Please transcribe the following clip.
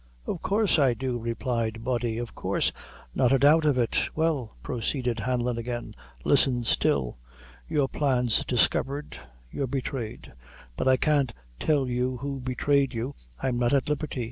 "Of coorse I do," replied Body, "of coorse not a doubt of it." "Well," proceeded Hanlon again, "listen still! your plan's discovered, you're betrayed; but I can't tell you who betrayed you, I'm not at liberty.